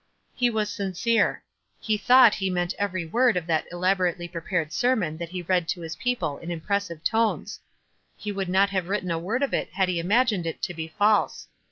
Ho was sincere. lie thought he meant every word of that elab orately prepared sermon that he read to his people in impressive tones. lie would not have written a word of it had he imagined it to be false.